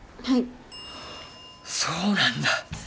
はぁそうなんだ。